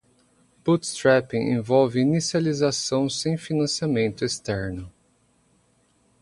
Bootstrapping envolve inicialização sem financiamento externo.